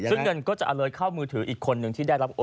ซึ่งเงินก็จะเลยเข้ามือถืออีกคนนึงที่ได้รับโอน